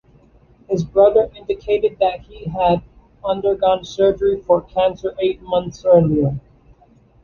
His brother indicated that he had undergone surgery for cancer eight months earlier.